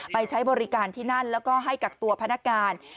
ใช้บริการที่นั่นแล้วก็ให้กักตัวพนักงาน